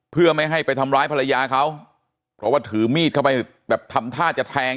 เพื่อไม่ให้ไปทำร้ายภรรยาเขาเพราะว่าถือมีดเข้าไปแบบทำท่าจะแทง